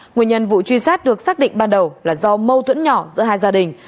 nguyên nhân vụ truy sát được xác định ban đầu là do mâu thuẫn nhỏ giữa hai gia đình